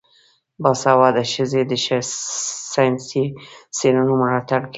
باسواده ښځې د ساینسي څیړنو ملاتړ کوي.